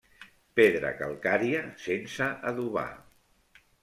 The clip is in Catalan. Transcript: Pedra calcària sense adobar.